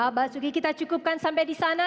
pak basuki kita cukupkan sampai di sana